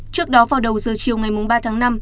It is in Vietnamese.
trước đó vào đầu giờ chiều ngày ba tháng năm